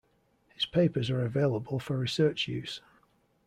His papers are available for research use.